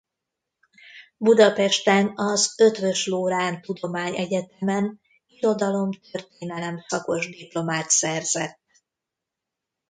Budapesten az Eötvös Loránd Tudományegyetemen irodalom- történelem szakos diplomát szerzett.